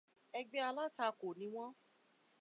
Ẹgbẹ́ alátakò ni wón.